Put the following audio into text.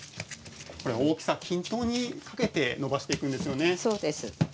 大きさを、均等に力をかけて伸ばしていくんですよね。